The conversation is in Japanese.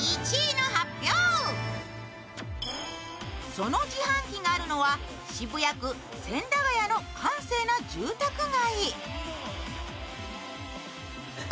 その自販機があるのは渋谷区千駄ヶ谷の閑静な住宅街。